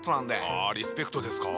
あリスペクトですか。